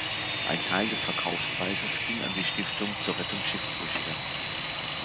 Ein Teil des Verkaufspreises ging an die Stiftung zur Rettung Schiffbrüchiger.